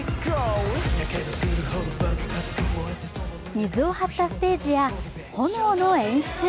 水を張ったステージや炎の演出。